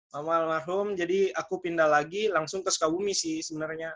mama almarhum jadi aku pindah lagi langsung ke sukabumi sih sebenarnya